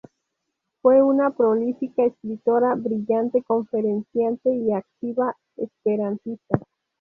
Fue una prolífica escritora, brillante conferenciante y activa esperantista.